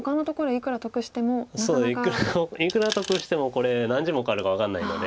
いくら得してもこれ何十目あるか分かんないので。